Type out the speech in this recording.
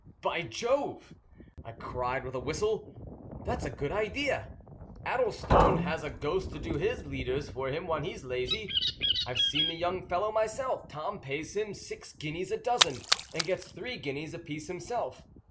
"By Jove!" I cried with a whistle. "That's a good idea! Addlestone has a ghost to do his leaders for him when he's lazy. I've seen the young fellow myself. Tom pays him six guineas a dozen, and gets three guineas apiece himself.